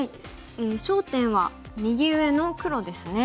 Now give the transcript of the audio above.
焦点は右上の黒ですね。